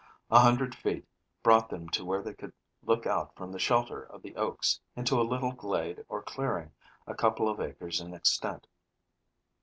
A hundred feet brought them to where they could look out from the shelter of the oaks into a little glade or clearing a couple of acres in extent.